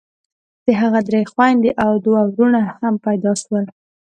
د هغه درې خويندې او دوه ورونه هم پيدا سول.